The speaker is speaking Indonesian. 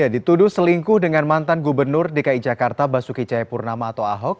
dituduh selingkuh dengan mantan gubernur dki jakarta basuki cayapurnama atau ahok